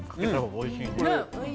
おいしい！